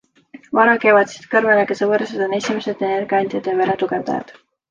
Varakevadised kõrvenõgese võrsed on esimesed energiaandjad ja veretugevdajad.